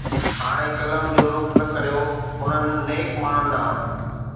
ھاڻي قلم جو رخ نه ڪريو انھن نيڪ ماڻھن ڏانھن.